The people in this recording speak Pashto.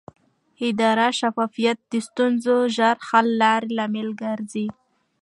اداري شفافیت د ستونزو ژر حل لامل ګرځي